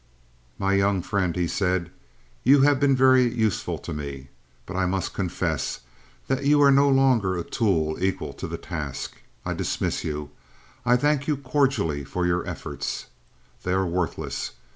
"My young friend," he said, "you have been very useful to me. But I must confess that you are no longer a tool equal to the task. I dismiss you. I thank you cordially for your efforts. They are worthless.